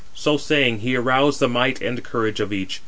So saying, he aroused the might and courage of each.